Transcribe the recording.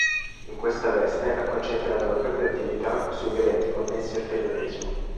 In questa veste ha concentrato la propria attività sugli eventi connessi al terrorismo.